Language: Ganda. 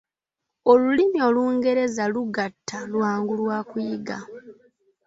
Olulimi Olungereza lugatta lwangu lwa kuyiga.